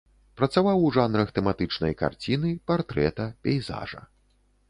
Працаваў у жанрах тэматычнай карціны, партрэта, пейзажа.